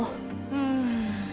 うん。